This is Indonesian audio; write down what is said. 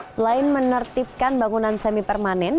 selain menertibkan bangunan semi permanen